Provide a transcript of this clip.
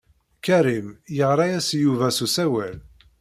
Karim yeɣra-as i Yuba s usawal.